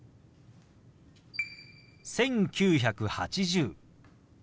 「１９８０」。